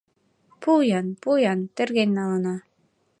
— Пу-ян, пу-ян, терген налына!